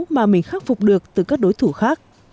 mà mình khắc phục được từ các đối thủ khác